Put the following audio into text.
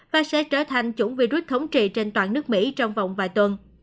và sẽ trở thành chủng virus thống trị trên toàn nước mỹ trong vòng vài tuần